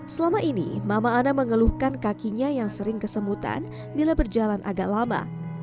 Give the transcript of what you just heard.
selama ini mama ana mengeluhkan kakinya yang sering kesemutan bila berjalan agak lama